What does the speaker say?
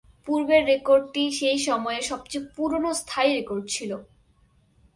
পূর্বের রেকর্ডটি সেই সময়ের সবচেয়ে পুরনো স্থায়ী রেকর্ড ছিল।